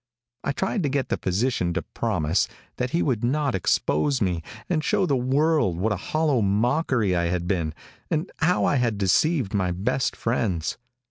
I tried to get the physician to promise that he would not expose me, and show the world what a hollow mockery I had been, and how I had deceived my best friends.